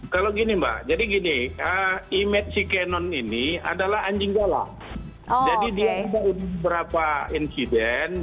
kalau gini mbak jadi gini imej canon ini adalah anjing galak jadi dia berapa insiden